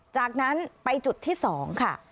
จากนั้นไปจุดที่๒ค่ะ